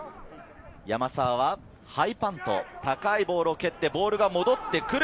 山沢はハイパント、高いボールを蹴って、ボールが戻ってくる。